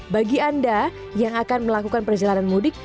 bagi anda yang akan melakukan perjalanan mudik